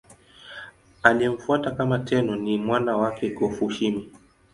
Aliyemfuata kama Tenno ni mwana wake Go-Fushimi.